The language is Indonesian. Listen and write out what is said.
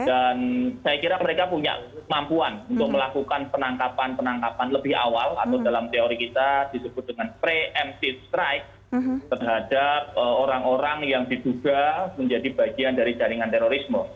dan saya kira mereka punya kemampuan untuk melakukan penangkapan penangkapan lebih awal atau dalam teori kita disebut dengan pre emptive strike terhadap orang orang yang diduga menjadi bagian dari jaringan terorisme